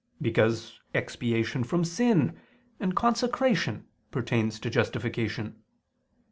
Because expiation from sin and consecration pertains to justification.